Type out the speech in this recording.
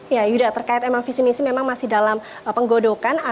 ya yuda terkait memang visi misi memang masih dalam penggodokan